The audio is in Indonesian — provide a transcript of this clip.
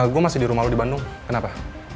gue masih di rumah lo di bandung kenapa